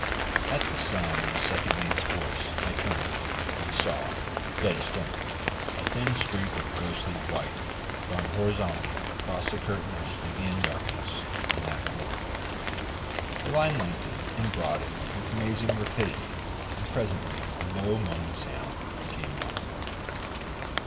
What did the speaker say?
At the sound of the second mate's voice I turned, and saw, dead astern, a thin streak of ghostly white, drawn horizontally across the curtain of Stygian darkness in that quarter. The line lengthened and broadened with amazing rapidity; and presently a low moaning sound became audible.